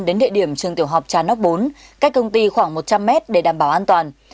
đến địa điểm trường tiểu học trà nóc bốn cách công ty khoảng một trăm linh mét để đảm bảo an toàn